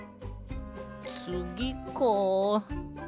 つぎか。